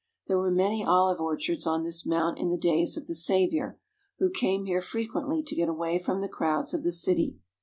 There were many olive orchards on this mount in the days of the Saviour, who came here fre quently to get away from the crowds of the city.